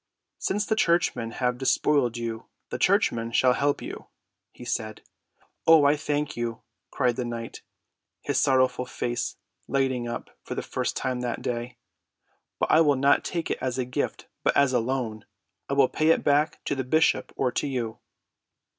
"Since the churchmen have despoiled you, the churchmen shall help you," he said. "Oh, I thank you," cried the knight, his sorrowful face lighting up for the first time that day. "But I will not take it as a gift but as a loan. I will pay it back to the bishop or to you."